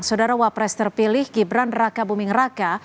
saudara wapres terpilih gibran raka buming raka